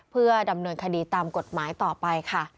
เพื่อดำเนินคดีตามกฎหมายต่อไปค่ะ